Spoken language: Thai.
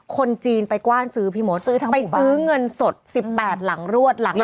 คนจีนไปกว้านซื้อพิโมทซื้อทั้งหมู่บ้านไปซื้อเงินสดสิบแปดหลังรวดหลัง